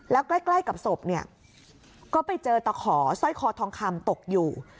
แล้วใกล้กับศพเนี่ยก็ไปเจอตะขอสร้อยคอทองคำตกอยู่